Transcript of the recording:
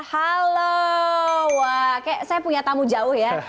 halo saya punya tamu jauh ya